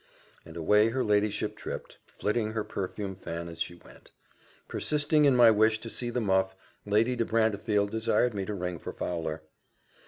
And away her ladyship tripped, flirting her perfumed fan as she went. Persisting in my wish to see the muff, Lady de Brantefield desired me to ring for Fowler.